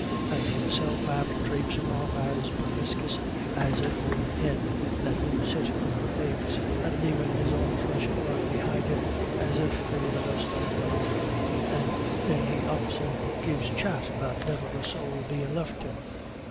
And himself after trapesin' off as permisc yis as an ould hin that won't sit on her eggs, and lavin' his own flesh and blood behind him as if they were the dust on the road. And then he ups and gives chat about niver a sowl bein' left him."